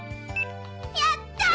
やったぁ！！